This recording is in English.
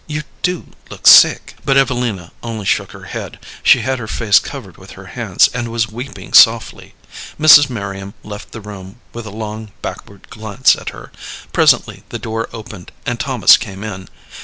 You do look sick." But Evelina only shook her head. She had her face covered with her hands, and was weeping softly. Mrs. Merriam left the room, with a long backward glance at her. Presently the door opened and Thomas came in.